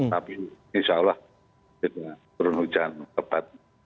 tapi insya allah turun hujan cepat